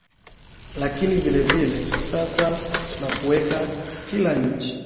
lakini vile vile sasa na kuweka kila nchi